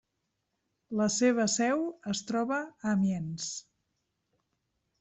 La seva seu es troba a Amiens.